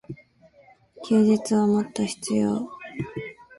休日はもっと必要。